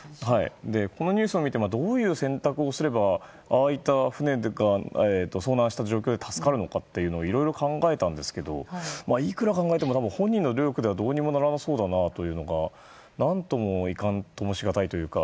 このニュースを見てどういう選択をすればああいった船が遭難した状況で助かるのかというのをいろいろ考えたんですけどいくら考えても本人の努力ではどうにもならなそうだなというのがいかんともしがたいというか。